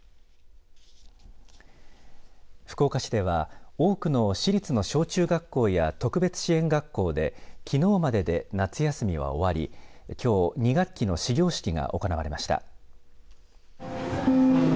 福岡市では多くの市立の小中学校や特別支援学校できのうまでで夏休みは終わりきょう２学期の始業式が行われました。